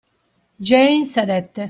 Jane sedette.